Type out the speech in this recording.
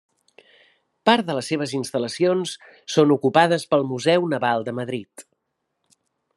Part de les seves instal·lacions són ocupades pel Museu Naval de Madrid.